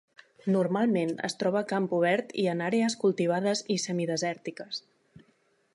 Normalment es troba a camp obert i en àrees cultivades i semidesèrtiques.